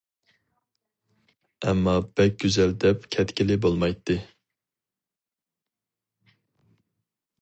ئەمما بەك گۈزەل دەپ كەتكىلى بولمايتتى.